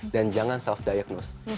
dan jangan self diagnose